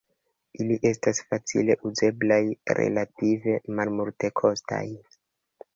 Ili estas facile uzeblaj, relative malmultekostaj.